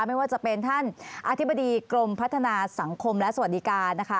ไม่ว่าจะเป็นท่านอธิบดีกรมพัฒนาสังคมและสวัสดีการนะคะ